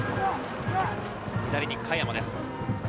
左に香山です。